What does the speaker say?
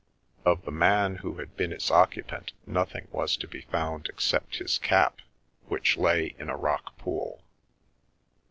Of the man who had been its occupant nothing was to be found except his cap, which lay in a rock pool.